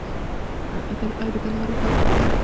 ایا د کندهار ښار به بیا د دښمن لاس ته ورشي؟